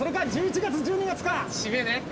締めね。